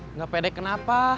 enggak pede kenapa